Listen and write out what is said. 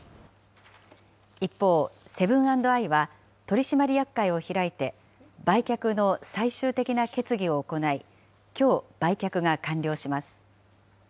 一方、セブン＆アイは取締役会を開いて、売却の最終的な決議を行い、きょう、売却が完了します。